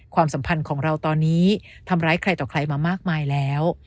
ความสัมพันธ์ของเราตอนนี้ทำร้ายใครต่อใครมามากมายแล้ว